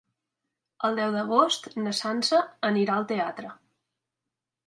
El deu d'agost na Sança anirà al teatre.